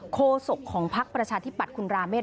โคศกของพักประชาธิบัตย์คุณราเมฆ